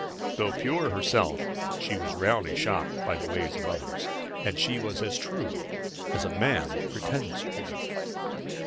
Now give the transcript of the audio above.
Though pure herself, she was rarely shocked by the ways of others. And she was as true as a man pretends to be.